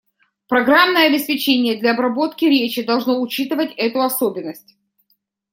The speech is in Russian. Программное обеспечение для обработки речи должно учитывать эту особенность.